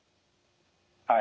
はい。